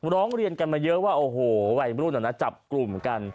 ร้องเรียนกันมาเยอะว่าโอ้โหวัยรุ่นจับกลุ่มกัน